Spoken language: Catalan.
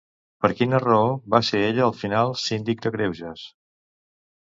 Per quina raó va ser ella al final síndic de greuges?